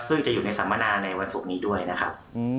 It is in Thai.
ซึ่งจะอยู่ในสัมมนาในวันศุกร์นี้ด้วยนะครับ